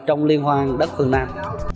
trong liên hoan đất phương nam